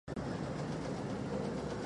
其教学语言政策并不会设有分班教学。